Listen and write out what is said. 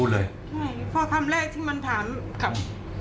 ใช่เพราะคำแรกที่มันถามกับ